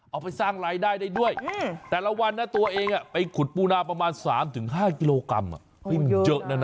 เอาไปสร้างรายได้ได้ด้วยแต่ละวันนะตัวเองไปขุดปูนาประมาณ๓๕กิโลกรัมเยอะนะนะ